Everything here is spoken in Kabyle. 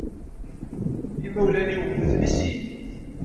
Imawlan-iw mmuten i sin.